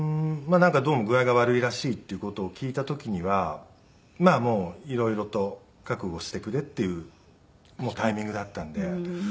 なんかどうも具合が悪いらしいっていう事を聞いた時にはまあもう色々と覚悟してくれっていうタイミングだったんで。